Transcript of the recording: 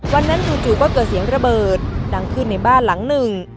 วันนั้นจู๊เกิดเสียงระเบิดดังขึ้นในบ้านหลังหนึ่ง